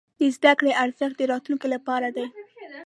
د زده کړې ارزښت د راتلونکي لپاره دی.